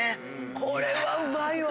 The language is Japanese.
・これはうまいわ！